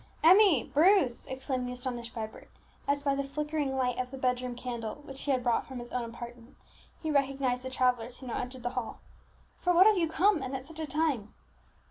"Emmie! Bruce!" exclaimed the astonished Vibert, as by the flickering light of the bed room candle, which he had brought from his own apartment, he recognized the travellers who now entered the hall. "For what have you come, and at such a time?"